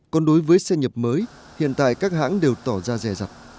còn đối với xe nhập mới hiện tại các hãng đều tỏ ra rè rặt